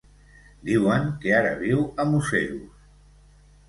Diuen que ara viu a Museros.